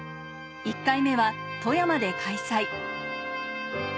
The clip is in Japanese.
１回目は富山で開催